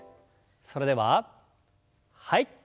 それでははい。